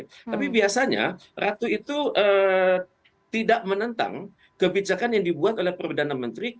tapi biasanya ratu itu tidak menentang kebijakan yang dibuat oleh perdana menteri